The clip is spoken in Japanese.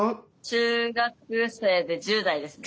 中学生で１０代ですね。